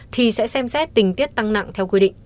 thì sẽ xem xét tình tiết tăng nặng theo quy định